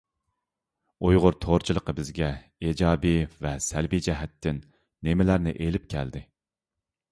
ئۇيغۇر تورچىلىقى بىزگە ئىجابىي ۋە سەلبىي جەھەتتىن نېمىلەرنى ئېلىپ كەلدى؟